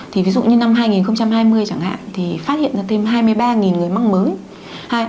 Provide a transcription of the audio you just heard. thì ví dụ như năm hai nghìn hai mươi chẳng hạn thì phát hiện ra thêm hai mươi ba người mắc mới